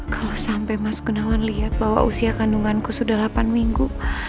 kalo sampe mas gunawan liat bahwa usia kandunganku sudah delapan minggu